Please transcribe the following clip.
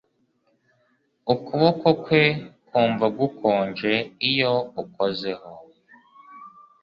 Ukuboko kwe kumva gukonje iyo ukozeho